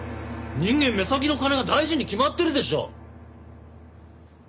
人間目先の金が大事に決まってるでしょう！